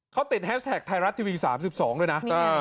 เขาติดแฮชแท็กไทยรัฐทีวี๓๒ด้วยนะ